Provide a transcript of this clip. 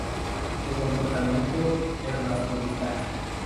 De comportamiento hermafrodita.